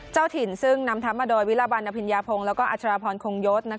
เจ้าถิ่นซึ่งนำทับมาโดยวิราบรรณพิญญาโพงแล้วก็อาจารย์พรคงยศ